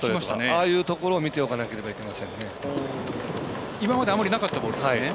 ああいうところを見ておかなければいけないですね。